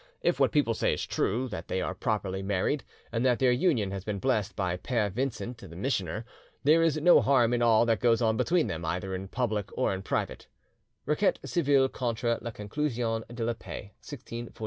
If what people say is true, that they are properly married, and that their union has been blessed by Pere Vincent the missioner, there is no harm in all that goes on between them, either in public or in private" ('Requete civile contre la Conclusion de la Paix, 1649).